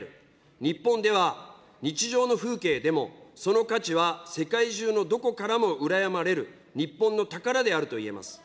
日本では日常の風景でも、その価値は世界中のどこからも羨まれる日本の宝であるといえます。